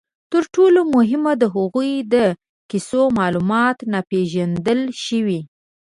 تر ټولو مهمه، د هغوی د کیسو معلومات ناپېژندل شوي.